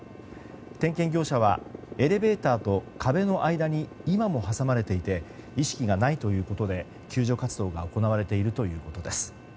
点検業者はエレベーターと壁の間に今も挟まれていて意識がないということで救助活動が行われているということです。